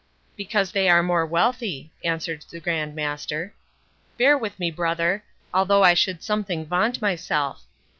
"Because they are more wealthy," answered the Grand Master. "Bear with me, brother, although I should something vaunt myself.